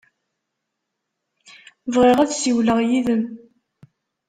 Bɣiɣ ad ssiwleɣ yid-m.